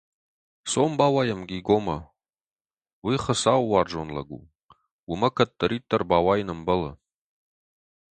Цом бауайӕм Гигомӕ: уый Хуыцауы уарзон лӕг у, уымӕ кӕддӕриддӕр бауайын ӕмбӕлы.